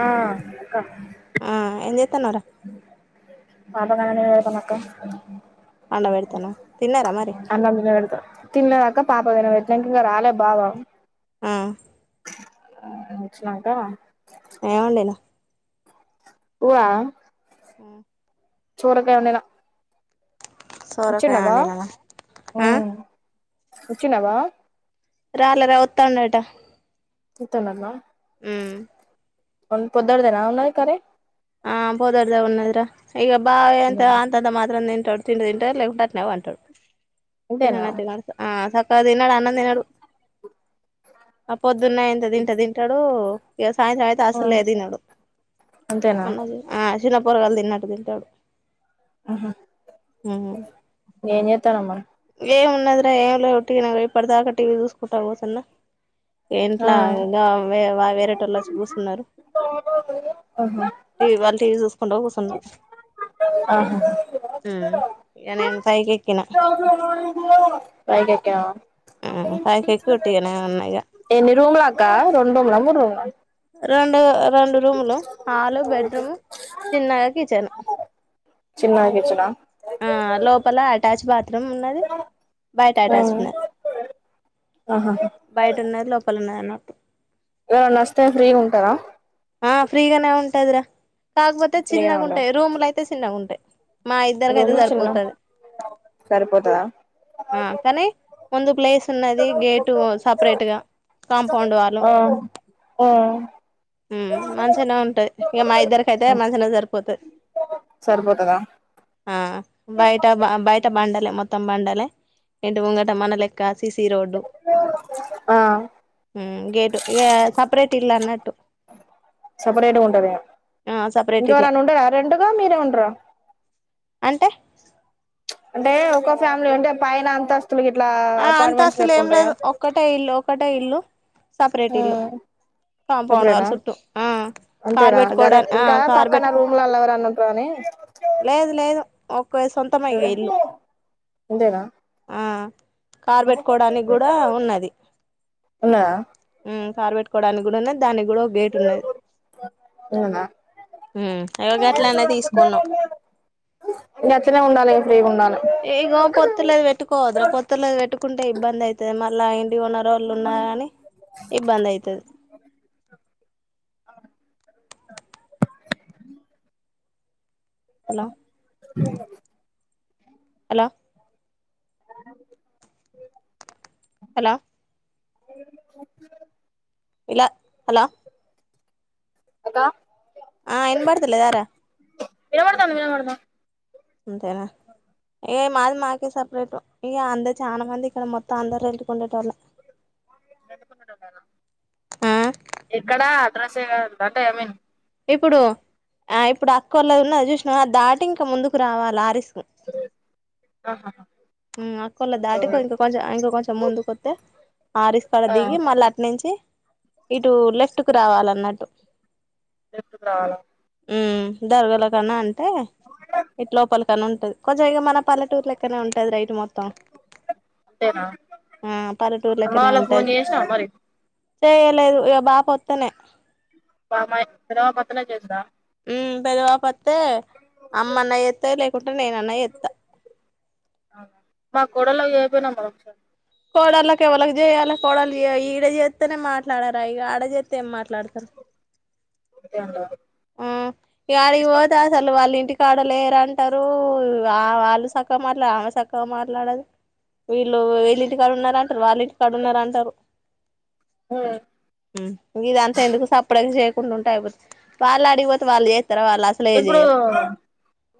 ఆ అక్క ఆ ఏం చె వత్తనార ఆపగానే ఏత మక్క పండబెడుతున్నావా తిన్నారా మరి అన్నం తిని పెడతా తిన్నదాకా పాపతిన పెట్టిన ఇంకా రాలే బాబ ఆ వచ్చినాకా ఏం వండినవ్ ఊ చూడక ఉండనా సోరకాయ వచ్చున్నావా వండినమా ఆ వచ్చినవా రాలే రా వత్తాండట ఇతనా ఊ పొద్ద్దడదనా ఉ కర ఆ పొద్దర్ద ఉన్నద్ర ఈక బా ఎంత అంతంద మాత్రం నిం ఆ తింట తింటాడు లేకపోతే అట్లే పంటడు ఇంతేనా తినను తినను ఆ సక్ తిన్నాడు అన్నం తినడు ఆ పొద్దున్న ఇంత తింట తింటాడు ఇక సాయంత్రం అయితే ఆ, అసలులే తినడు అంతేనా ఆ చిన్న పొరగాలు తిన్నట్టు తింటాడు ఊహు ఉమ్ ఎం చేతన్నావ్ మరి నద ఎవళ ఉట్టికి ఈపాటి దాక టీ వి చూసుకుంట కూసున్న ఆ. ఇంట్లా ఇగ వే వా వేరేటోల్లోచి కూసున్నరు ఆహా. టీవీ వాళ్ళు టీవీ చూసుకుంట కూసున్నారు ఆహా ఇక నేను పైకి ఎక్కినా పైకి ఎక్కావా ఉ పైకెక్కి ఉట్టిగనే ఉన్నా ఇగ ఎన్ని రూమ్లక్కా రెండ్రుముల మూడ్రూమ్లా రెండు రెండు రూములు హాలు బెడ్రూము చిన్నగా కిచెన్ చిన్నగిచనా ఆ లోపల అటాచ్ బాత్ రుమ్ ఉన్నది బయట అటాచ్ ఉన్నది ఆహా బయట ఉన్నది లోపల ఉన్నది అన్న ఓరనస్తే ఫ్రీగుంటరా ఆ ఫ్రీగానే ఉంటదిరా కాకపోతే ఫ్రీగానే ఉంటాం చిన్నగుంటాయి రూమ్లు అయితే చిన్నగా ఉంటాయి మా ఇద్దరికయితే రూమ్లు చిన్న సరిపోతది సరిపోతదా ఆ కానీ ఒందు ప్లేస్ కున్నది గేటు సపరేట్ గా కాంపౌండ్ వాలు ఆ ఆ ఊ మంచిగనే ఉంటాయి ఇక మా ఇద్దరిక అయితే మంచలా సరిపోతుది సరిపోతదా ఆ బయట బ బయట బండలే మొత్తం తమ్ బండలే ఇంటి ముంగట మన లెక్క సిసి రోడ్డు ఆ ఉ గేట్ ఇగ సపరేట్ ఇల్ అన్నట్టు సపరేట్గా ఉంటద ఆ సపరేట్ ఇంక ఇల్లే ఎవరనా ఉండరా అ రెండుగా మీరే ఉండరా అంటే అంటే ఒక ఫ్యామిలీ అంటే పైన అంత ఆ అంతస్తులు ఏం లేదు ఒక్కటే ఇల్లు ఒకటే ఇల్లు సపరేట్ ఇల్లు కాంపౌండ్ వాళ్ళ సపరేటా చుట్టూ ఆ కార్ అంతేనా బెట్కోడా గదే ఆ ఇంకా కార్ పక్కన పెట్టు రూమ్లల్ల ఎవరన్నా ఉంటరని లేదు లేదు ఒక్ సొంతమైగా ఇల్లు అంతేనా కార్ పెట్కోడానికి కూడా ఉన్నది ఉన్నదా కార్ పెట్టుకోవడానికి కూడా ఉన్నది దానికి కూడా ఒక గేట్ ఉన్నది అవునా ఇగో గట్లనే తీసుకున్నాం గట్లనే ఉండాలి ఫ్రీ ఉండాలి ఇగో పొత్తలది వెట్టుకొద్ర పొత్తతుల పెట్టు కుంటే ఇబ్బంది అయితది మళ్ళా ఓనర్ వొళ్ళు ఉన్నారా అని ఇబ్బంది అయితుది హలో అ హలా హలా ఇలా హలా అకా ఆ ఇబడతలేదారా వినపతుంది వినపడుతుంది అంతేనా ఇగ మాది మాకే సపరేట్ ఇగ అందరు చాలా మంది ఇక్కడ మొత్తం అందరు రెంటుకుండేటొల్లె ఎక్కడ అడ్రస్ ఎ కద అంటే ఐ మీన్ ఇప్పుడు ఆ ఇప్పుడు క్కోల ఉన్న చూసినం అది దాటి ఇంక ముందుకు రావాలా ఆ రస్ అక్కలా దాటిక ఇంక కొంచం ఇంక కొంచెం ముందుకొస్తతే ఆరిస్కాడ దిగి మళ్ళీ అట్ నుంచి ఇటు లెఫ్ట్ కు రావాలన్నట్టు హ్మ్ దరగల కన్నా అంటే ఇట్ లోపలి ఉంటది కొ గా మన పల్లెటూర్ లెక్కనే ఉంటంది రా ఇటు మొత్తం ఆ పల్లెటూర్ లెక్కనే ఉంటది చేయలేదు ఇ బాపు వొత్తనే బ మాయ్ కొత్త [unintelligible] పెద్ద బాపు అమ్మనే చేతే అంట నేనున్న చేత్తా మా కోడలు అయిపోయినా మ ఇదయాల కోడాల ఈడ చేస్తేనే మాట్లాడారా ఆడ చేస్తే ఏం మాట్లాడతారు అంతే అన్నారు ఆ ఇగ ఆడికి పోతే అసలు వాళ్ళ ఇంటి కాడలేరుంట అంటారు ఆ వాళ్ళు సక్కగా మాట్లాడ ఆమె సక్కగా మాట్లాడదు వీళ్ళు వీళ్ళింటి కాడ ఉన్నారంటారు వాళ్ళింటి కాడున్నారంటారు ఇదంతా ఎందుకు సప్పడ చేయ కొం ఉంటాయిపోడుతుంది వాల్లాడిపోతు వాల్ లేర్ ఇప్పుడు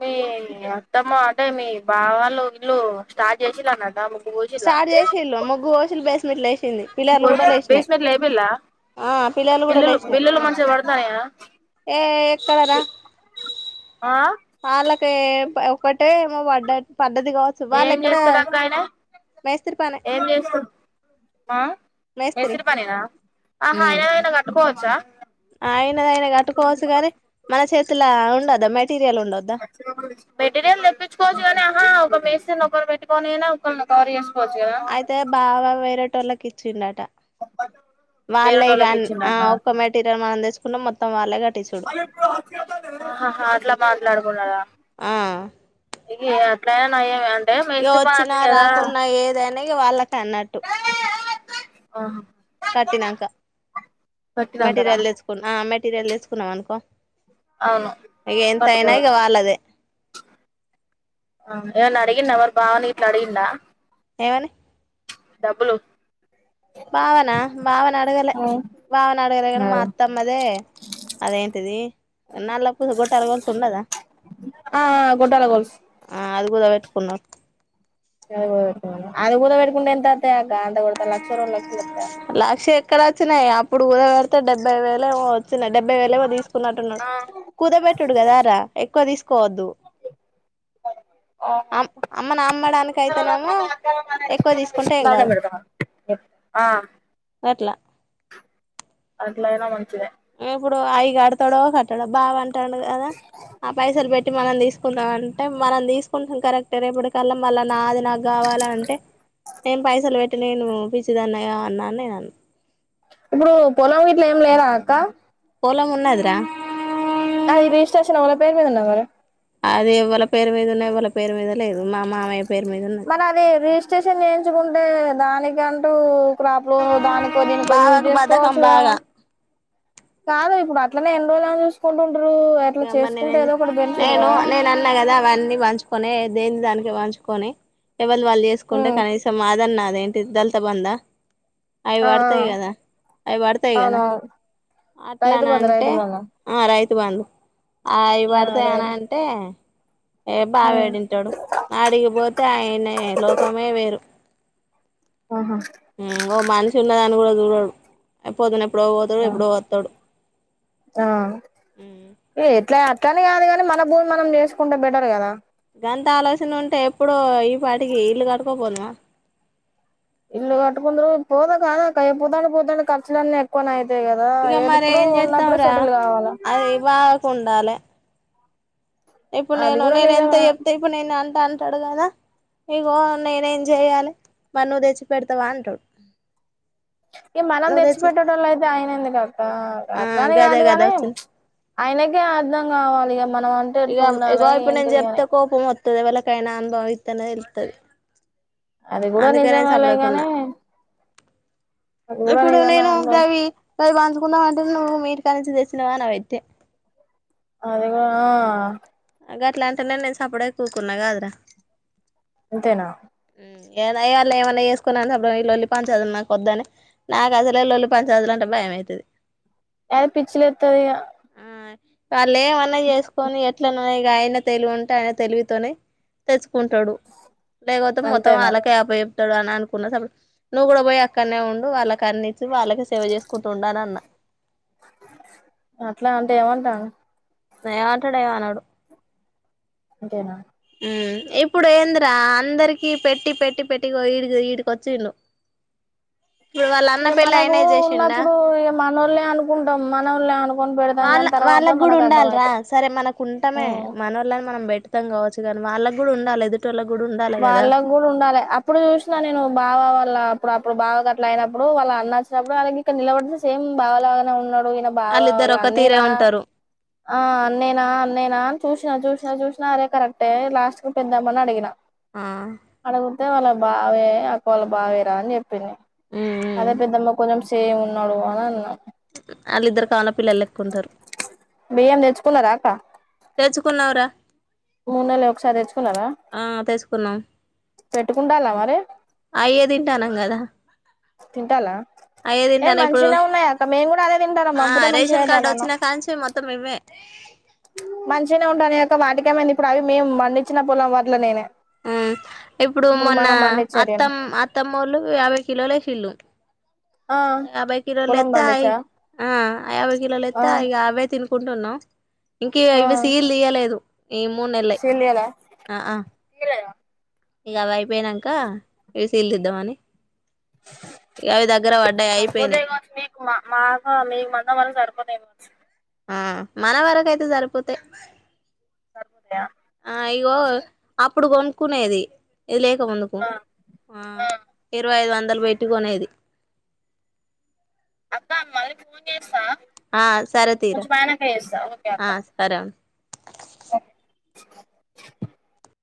మీ అత్తమ్మ అంటే మీ బా వాళ్ళు ఇల్లు స్టార్ట్ చేసిలా అన్నదా సార్ జేశిండు ముగ్గు బోషి బ బేస్మెంట్లు లేపిల్లా ఆ పిల్లర్లు కూడా బిల్లులు లేసినాయి బిల్లులు మంచిగా పడతాయా ఏ పాలకే ఒక అంటే ఏమో పడ్డ పడ్డది కావచ్చు వాళ్ళ ఏం ఎక్కడ చేస్తాడు అక్క ఆయన మేస్త్రి పనే ఏం చేస్తాడు మేస్త్రి అహా ఈరోజన్నా పోచ్చా ల్ల ఉండదా మెటీరియల్ తెప్పించుకోవచ్చు కానీ ఆహా ఒక నొకరు పెట్టుకోనైనా ఒకల్లు అయితే బావ వేరేటోల్లకి చిన్న ట వాల్లే గానీ తెచ్చిండా ఆ ఒక్క మెటీరియల్ మనం తెసు పునం మొత్తం వాల్ల అహహా అట్లా మాట్లాడుకున్నారా ఆ ఇగె ఎట్ల అయినా నయం అయ ఇగ వచ్చినా రాకున్నా ఏదని వాళ్ళకి టన్నట్టు కట్టినాంక మెటీరియల్ తెచ్చకు మెటీరియల్ దెచ్చుకున్నాం అనుకో అవును ఇగ ఎంత అయిన ఇగ పట్టుకోవచ్చు వాల్లదే ఆ ఏవన్ అడిగిండా వాడు బావనిట్లా అడిగండ ఏమని డబ్బులు బావన బావన అడగలే బావన అడగలే కానీ మా అత్తమ్మదే అదేంటిది నల్లప్పుూ గుట్టలగల్సి ఉండదా ఆ గొట్టాల గొలుసు అది గూడా వెట్కున్నా అది అది కుదవ పెట్టినవా అది కుదవ పెటుకుంటే ఎంత అత్తయ్ గ అంత ఉడతా లక్ష రోలక్షలుంత ఇక్కడ వచ్చినాయి అప్పుడు ఊర పెడితే డెబ్బై వేలేమో వొచ్ చినయ్ డెబ్బై వేలుమో తీసుకున్నట్టున్నడు కుదబెటుడుదరా ఎక్కువ తీసుకు పోవద్దు అమ్మను అమ్మడానికి అయితేనేమో ఎక్కువ తీసుకుంటే ఏం కాదు ఆ వట్లా అట్లయిన మంచిదే ఇప్పుడు ఆయిగడతాడో కట్టడో బావన్ టడు కదా ఆ పైసలు పెట్ టి మనం తీసుకుందాం అంటే మనం తీసుకు కుంటాం కరెక్ట్ రేపుడు కళ్ళ మళ్ళ నాది నాకు కావాల అంటే నేను పైసలు పెట్టి నేను పిచ్చిదన్నయి ఆ న్నాన్నే అన్న ఇప్పుడు పొలం వీట్లు ఏం లేరా అక్క పొలం ఉన్నదిరా ఆ ఈ రిజిస్ట్రేషన్ వల్ల పేరు మీద ఉన్నవి కదా అది ఎవ్వళ పేరు మీద ఉన్నాయి వాళ పేరు మీద లేదు మా మామయ్య పేరు మీద ఉన్నది స్టేషన్ చేయించుకుంటే దానికంటూ క్రాప్ లోను దానికో దీనికో యూజ్ బావకు బధకం చేసుకోవచ్చు కదా బాగా మరి కాదు ఇప్పుడు అ అట్లనే ఎన్రోజులని చూసుంట మ్ మరి నేను నేను కదా నేను అన్నా కదా అవన్నీ పంచుకొనే దేని దానికి పంచుకొని ఎవళు వాళ్ళు చేసుకుంటే ఉమ్ కనీసం మాదన్న అదేంటిద్దల్తా బందా అవి ఆ పడతాయి కదా అవి పడతాయి ఆ కదా అవునవును రైతు అట్లాన బంధు అంటే రైతు బంధు ఆ రైత్ టువాళ్ళు ఆ అవి పడతాయి అనంటే ఏ ఉమ్ బాఏడింటడు ఆడిగిపోతే ఆయనే లోకమే వేరు ఆహా ఊ ఓ మనిష ఉన్నదాను కూడా దూ ఎప్పుదున ఎప్పుడో పోతడు ఆ ఎప్పుడో ఒత్తడు ట్లే అట్లని కాదు కాని మన భూమి మనం చేసుకుంటే బెటర్ కదా అంత ఆలోచన ఉంటే ఎప్పుడో ఇప్ పాటికి ఇల్ కట్టుకోక పొదుమ ఇల్లు కట్టుకుందురు పోదా కాదక్కా రేపొద్దన పొద్దన ఖర్చులు అన్న ఎకువనయి ఇగ మరి ఏం చెత్తాం రా కావాలా అది బావకున్ నాలు ఇప్పుడు అది నేను కూడా నేను ఎంత నిజమే చెప్తే ఇప్పుడు నేను అ అంట అంటాడు కదా నీగ నేనే ఏం చేయాలి మ నువ్వు తెచ్చి పెడతావా అంటాడు ఇ మనం నువ్వు తెచ్చి తెచ్చిపెట్టడంంలో అయితే అయిన ఎందుక ఆ ఆ అట్లనే గదే గదా కాదుగానీ వచ్చింది ఆయనకే అర్థం కావాలి మనం అంటే ఇక ఎట్టు ఉండాలి ఇగో ఇప్పుడు నేను ఏంటిది అని చెప్తే కోపం మొత్తం ఇవళ కైనా అనుభవ ఇతనే ఇల్తుది అది కూడా నిజమేలేగానే ఇప్పుడు నేను దవి మరి పంచుకుందామ అంటే నువ్వు మీీటికా నుంచి తెసినవా నువవైతే అదిేగా అట్లాంటేనేే నేను సప్పుడే కూకున్నా కాదరా అంతేనా ఇ వాళ ఏమైన్నా చేసుకున్నా అ చెప్పుడు ఇల్లొల్లి పంచేదు నాకుొద్దని నాకు అసలు ఇల్లొల్లి పంచేదులు అంటే భయంమవుతుది ఎద పిచ్చలేత్తంది వాళ్ళు ఏమన్నా చేసుకొని ఎ ఇట్ ఆయన తెలివి ఉంటే ఆయన తెలుగుతోనే తెచ్చు కుంటాడు లేకపోతే అంతే మొత్తం మరి వాళ్కి ఆప డు అని అనుకున్నా నువ్వు కూడా పోయి అక్కడనే ఉండు వాళ్ళకి అన్ని ఇంచిి వాళ్ళకి సేవ చేసుకుంటు ఉంను అన్న అట్లా అంటే ఏమంటాను ఏమంటాడు ఏమనాడు ఇకేనా ఇప్పుడు ఏందిరా అందరికి పెట్టి పెట్టి పెట్టి ఈడి ఈడికొచ్చి ఏ మనకు ఉన్నప్పుడు ఏ మన వాళ్ని అనుకుంటాం మన వాళ అనుకుొని పెడతాం కాని తర్వాత మనకు అర్ధంమంది రా సరే మనకు ఉంటామే మన వాళ్ళని మనం పెట్ మొత్తం కావచ్చు కానీ వాళ్ళ కూడా ఉండి ఎదుటిళ్ల వాళ్ళకి కూడా ఉండాలి అప్పుడు చూసిన నేను బావ వాళ్ళ అప్పుడు ఇప్పుడు బావకు అట్ అనప్పుడు వాళ్ళ అన్నచ్చినప్పుడు అళ్ ఇక్కడ నిలబడితే సేమ్ బావ లాగానే ఉన్నాడు అగనా బాగావాల వాళ్ళిద్దరు ఒక తీరే అన్నేనా ఉంటారు అన్నేనా అన్నేనా అని చూసిన చూిన చ చూినా అరే కరెక్టే లాస్ట్ క పెద్దామని అడిగిన ఆ అదే వాళ్ళ బావే అ వాళ్ళ బావేరా అని చెప్పింది అదే పెద్దమ్మా కొంచెం సే ఉన్నా అ వాళ్ళిద్దరు కాన పిల్లలు లెక్కుంటారు బయ్యం నేర్చుకున్నారాక తెచ్చుకున్నవరా మూడు నెల ఒకసారి తెచ్చుకున్నారా తెచ్చుకున్నాం పెట్టుకుండాలా మరి అయ్యే తింటానం కదా తింటాలా అయ్యే ఏ తింటాను ఇప్పుడు మంచిిన ఉన్నాయి అక్క మేము కూడా అదే తింటాల ఆ మబ్బుతో మంచిగా రేషన్ కార్డు తాదను వచ్చినా కాంచి మొత్తం ఇవ్వే మంచినే ఉంటాను క వాటికేమైంది ఇప్పుడు అవి మేము మండించిన పొలం వాటిలో నేనే ఆ ఇప్పుడు మొన్న మనం పండించేటిను అత్తమ్ అత్తమ్మళు యాభై కిలోలేకిల్లు ఆ యాభై పొలం కిలోలుస్తా పండించా ఆ యాభై కిలోలు ఆ ఎస్తా ఇక యాభై తి పుడున్నా ఇంక ఇవి సీలు తీయలేదు ఈ మూడు నెలలయి శిల్ అలా శలలా ఇక అవ అయిపోయినాక ఇసీలుిద్దామ అని ఇ అవి దగ్గర పడ్డాయి సరిపోతాయి అయిపోయినాయి్ కావచ్చు మీకు మా మాకు మీ మందా మళ్ళ సరిపోనతాయ్ ఆ మన వరక అయితే సరిపోతాయ్ సరిపోతాయా అయో అప్పుడు కొనుక్కునేది ఇది లేక వందికు ఆ ఇరవై అయిదు వంద మొందలు బయట కొనేది అక్క మళ్ళీ ఫోన్ చేస్త ఆ సరే తీరా ఆ సరే ఉండు అ